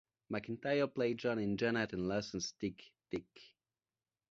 McIntyre played Jon in Jonathan Larson's Tick, Tick...